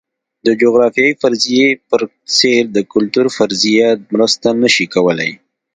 د جغرافیوي فرضیې په څېر د کلتور فرضیه مرسته نه شي کولای.